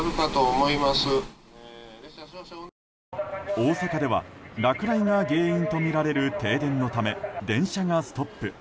大阪では落雷が原因とみられる停電のため電車がストップ。